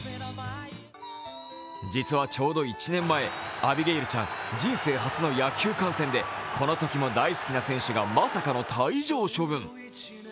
実はちょうど１年前、アビゲイルちゃん、人生初の野球観戦でこのときも大好きな選手がまさかの退場処分。